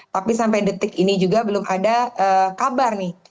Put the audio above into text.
tapi sampai detik ini juga belum ada kabar nih